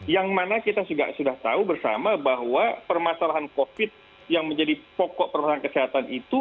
yang mana kita sudah tahu bersama bahwa permasalahan covid yang menjadi pokok permasalahan kesehatan itu